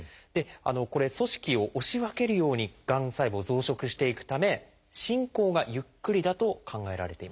これ組織を押し分けるようにがん細胞増殖していくため進行がゆっくりだと考えられています。